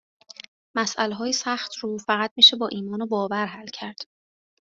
مسئلههای سخت رو فقط میشه با ایمان و باور حل کرد